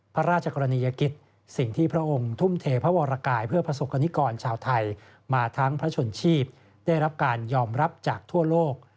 พระราชกรณียกิจสิ่งที่พระองค์ทุ่มเทพระวรกายเพื่อประสบกรณิกรชาวไทยมาทั้งพระชนชีพได้รับการยอมรับจากทั่วโลก